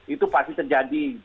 itu pasti terjadi